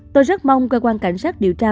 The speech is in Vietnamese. tôi rất mong cơ quan cảnh sát điều tra